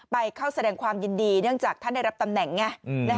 ไปเข้าแสดงความยินดีเนื่องจากท่านได้รับตำแหน่งไง